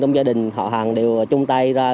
trong gia đình họ hàng đều chung tay ra